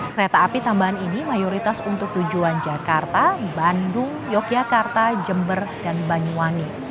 kereta api tambahan ini mayoritas untuk tujuan jakarta bandung yogyakarta jember dan banyuwangi